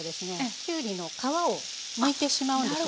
きゅうりの皮をむいてしまうんですよ。